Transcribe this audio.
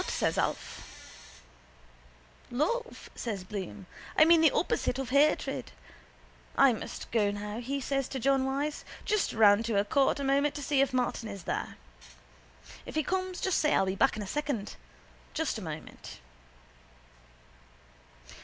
—What? says Alf. —Love, says Bloom. I mean the opposite of hatred. I must go now, says he to John Wyse. Just round to the court a moment to see if Martin is there. If he comes just say I'll be back in a second. Just a moment.